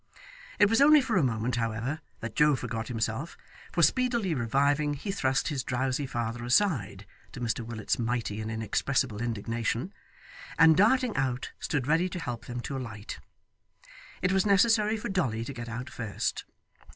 It was only for a moment, however, that Joe forgot himself, for speedily reviving he thrust his drowsy father aside to Mr Willet's mighty and inexpressible indignation and darting out, stood ready to help them to alight. It was necessary for Dolly to get out first.